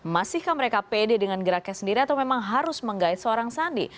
masihkah mereka pede dengan geraknya sendiri atau memang harus menggait seorang sandi